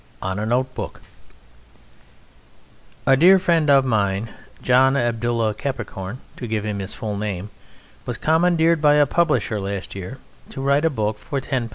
_ ON A NOTEBOOK A dear friend of mine (John Abdullah Capricorn, to give him his full name) was commandeered by a publisher last year to write a book for £10.